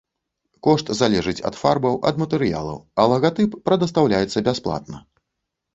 Кошт залежыць ад фарбаў, ад матэрыялаў, а лагатып прадастаўляецца бясплатна.